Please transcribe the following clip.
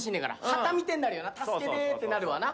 旗みてえになるよな助けてってなるわな。